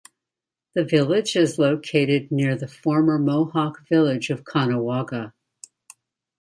The village is located near the former Mohawk village of Caughnawaga.